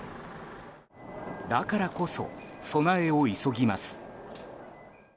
だからこそ、備えを急ぎます。